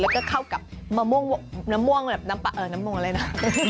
แล้วก็เข้ากับมะม่วงน้ำม่วงแบบน้ำปลาเออน้ำม่วงอะไรนะ